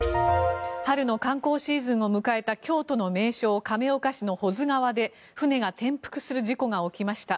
春の観光シーズンを迎えた京都の名勝、亀岡市の保津川で船が転覆する事故が起きました。